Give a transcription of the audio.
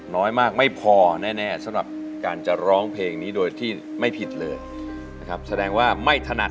น้อยมากไม่พอแน่สำหรับการจะร้องเพลงนี้โดยที่ไม่ผิดเลยนะครับแสดงว่าไม่ถนัด